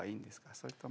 それとも。